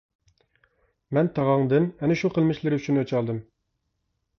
مەن تاغاڭدىن ئەنە شۇ قىلمىشلىرى ئۈچۈن ئۆچ ئالدىم.